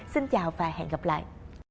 xin chào và hẹn gặp lại